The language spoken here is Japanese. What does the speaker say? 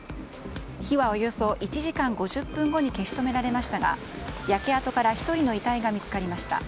火はおよそ１時間５０分後に消し止められましたが焼け跡から１人の遺体が見つかりました。